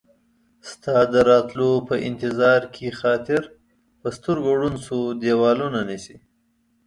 ستا د راتلو په انتظار کې خاطر ، په سترګو ړوند شو ديوالونه نيسي